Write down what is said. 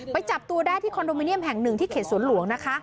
จับตัวได้ที่คอนโดมิเนียมแห่งหนึ่งที่เขตสวนหลวงนะคะ